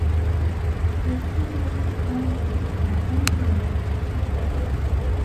Rue Frédéric Lenglet à Homblières